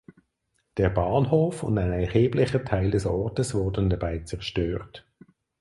Der Bahnhof und ein erheblicher Teil des Ortes wurden dabei zerstört.